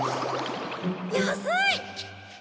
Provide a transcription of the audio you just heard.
安い！